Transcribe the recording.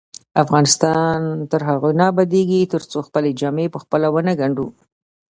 افغانستان تر هغو نه ابادیږي، ترڅو خپلې جامې پخپله ونه ګنډو.